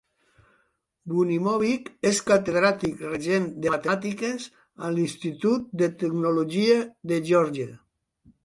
Bunimovich és catedràtic regent de Matemàtiques a l'Institut de Tecnologia de Geòrgia.